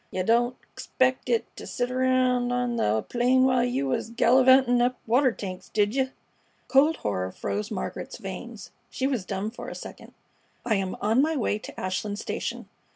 "Yeh didn't 'xpect it t' sit reound on th' plain while you was gallivantin' up water tanks, did yeh?" Cold horror froze Margaret's veins. She was dumb for a second. "I am on my way to Ashland station.